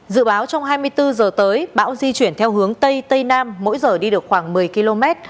dự báo trong hai mươi bốn giờ tới bão di chuyển theo hướng tây tây nam mỗi giờ đi được khoảng một mươi km